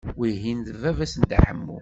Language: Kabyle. Wihin d baba-s n Dda Ḥemmu.